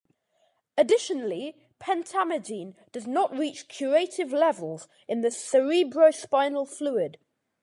Additionally, pentamidine does not reach curative levels in the cerebrospinal fluid.